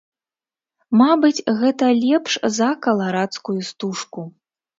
Мабыць, гэта лепш за каларадскую стужку.